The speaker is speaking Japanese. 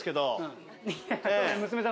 娘さん